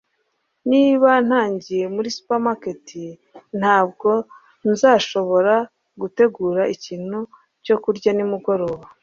Niba ntagiye muri supermarket ntabwo nzashobora gutegura ikintu cyo kurya nimugoroba